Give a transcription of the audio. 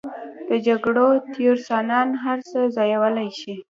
د جګړو تیورسنان هر څه ځایولی شي.